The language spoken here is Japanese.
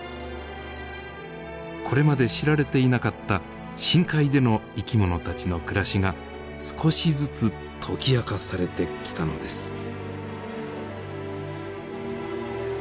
これまで知られていなかった深海での生き物たちの暮らしが少しずつ解き明かされてきたのです。